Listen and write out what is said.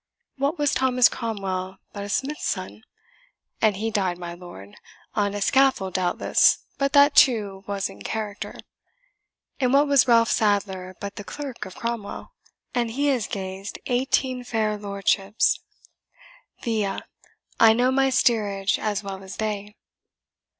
What was Thomas Cromwell but a smith's son? and he died my lord on a scaffold, doubtless, but that, too, was in character. And what was Ralph Sadler but the clerk of Cromwell? and he has gazed eighteen fair lordships VIA! I know my steerage as well as they."